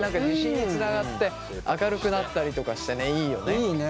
自信につながって明るくなったりとかしてねいいよね。